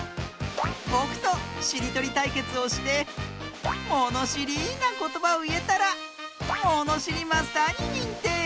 ぼくとしりとりたいけつをしてものしりなことばをいえたらものしりマスターににんてい！